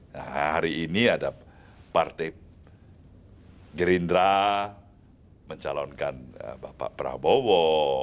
nah hari ini ada partai gerindra mencalonkan bapak prabowo